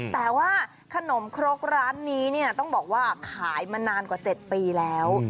แต่ว่าขนมครกร้านนี้เนี่ยต้องบอกว่าขายมานานกว่า๗ปีแล้ว